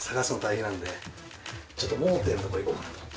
ちょっと盲点のところいこうかなと思って。